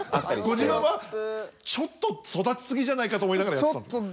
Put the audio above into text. ご自分はちょっと育ち過ぎじゃないかと思いながらやってたんですか？